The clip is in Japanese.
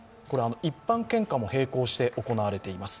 一般献花も並行して行われています